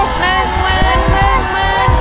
น้ำมันน้ำมัน